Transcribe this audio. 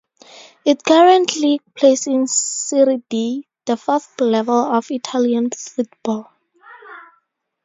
It currently plays in "Serie D", the fourth level of Italian football.